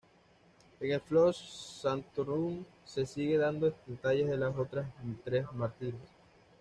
En el "Flos sanctorum" se siguen dando detalles de las otras tres mártires.